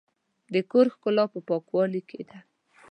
د کور ښکلا په پاکوالي کې ده.